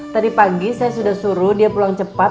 tadi pagi saya sudah suruh dia pulang cepat